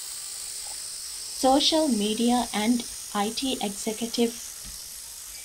ސޯޝަލްމީޑިއާ އެންޑް އައި.ޓީ އެގްޒެކެޓިވް